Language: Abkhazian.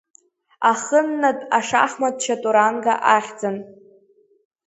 Ахыннатә ашахмат чатуранга ахьӡын.